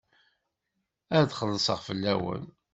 Ad xellṣeɣ fell-awen.